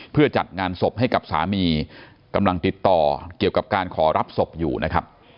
เพื่อจัดงานศพให้กับสามีกำลังติดต่อเกี่ยวกับการขอรับศพอยู่นะครับ